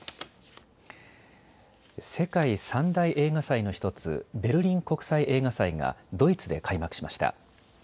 世界３大映画祭の１つ、ベルリン国際映画祭がドイツで開幕しました。